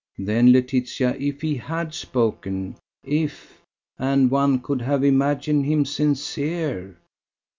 "Then Laetitia, if he had spoken, if, and one could have imagined him sincere